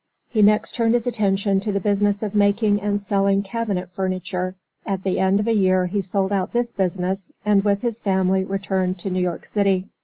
He next turned his attention to the business of making and selling cabinet furniture; at the end of a year he sold out this business, and with his family returned to New York city.